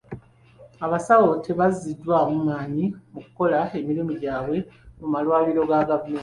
Abasawo tebaziddwamu maanyi mu kukola emirimu gyabwe mu malwaliro ga gavumenti.